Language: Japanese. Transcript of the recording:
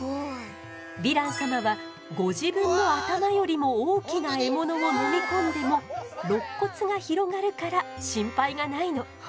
ヴィラン様はご自分の頭よりも大きな獲物を飲み込んでもろっ骨が広がるから心配がないの。